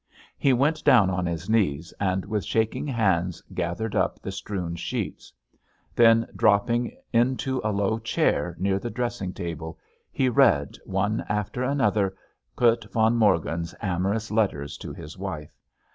He went down on his knees, and, with shaking hands, gathered up the strewn sheets. Then, dropping into a low chair near the dressing table, he read, one after another, Kurt von Morgen's amorous letters to his wife.